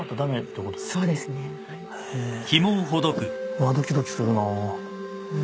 わっドキドキするな。へ。